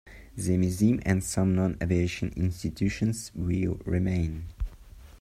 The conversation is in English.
The museum and some non-aviation institutions will remain.